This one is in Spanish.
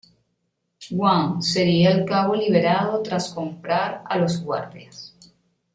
Wang sería al cabo liberado tras comprar a los guardias.